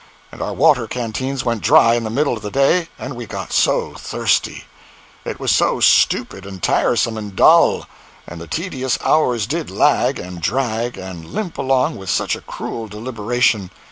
and our water canteens went dry in the middle of the day and we got so thirsty! It was so stupid and tiresome and dull! and the tedious hours did lag and drag and limp along with such a cruel deliberation!